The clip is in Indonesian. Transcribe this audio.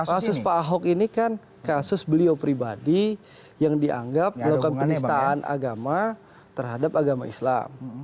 kasus pak ahok ini kan kasus beliau pribadi yang dianggap melakukan penistaan agama terhadap agama islam